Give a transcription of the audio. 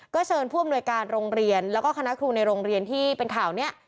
ก็เชิญผู้อำนวยการโรงเรียนแล้วก็คณะครูในโรงเรียนที่เป็นข่าวนี้